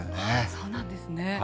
そうなんですね。